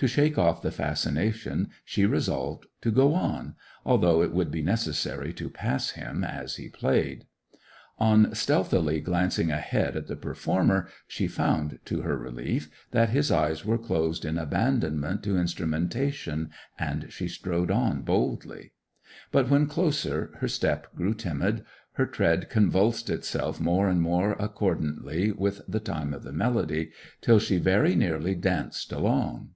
To shake off the fascination she resolved to go on, although it would be necessary to pass him as he played. On stealthily glancing ahead at the performer, she found to her relief that his eyes were closed in abandonment to instrumentation, and she strode on boldly. But when closer her step grew timid, her tread convulsed itself more and more accordantly with the time of the melody, till she very nearly danced along.